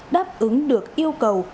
đáp ứng được yêu cầu